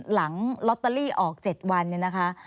หลังลอตเตอรี่ออก๗วันเนี่ยนะคะ